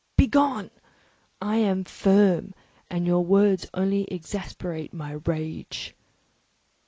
Begone! I am firm, and your words will only exasperate my rage."